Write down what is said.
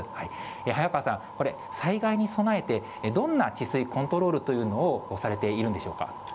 早川さん、これ、災害に備えて、どんな治水コントロールというのをされているんでしょうか。